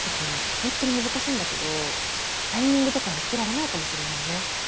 本当に難しいんだけどタイミングとかは言ってられないかもしれないね。